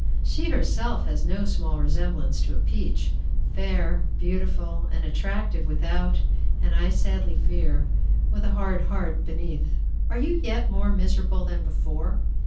she herself has no small resemblance to a peach, fair, beautiful, and attractive without, and, I sadly fear, with a hard heart beneath. Are you yet more miserable than before?